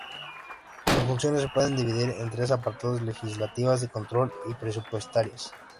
Sus funciones se pueden dividir en tres apartados: legislativas, de control y presupuestarias.